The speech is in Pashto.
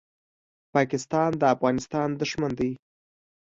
پاکستان د افغانستان دښمن دی.